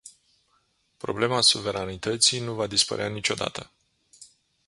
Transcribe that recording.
Problema suveranității nu va dispărea niciodată.